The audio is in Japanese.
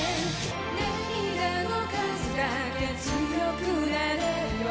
「涙の数だけ強くなれるよ」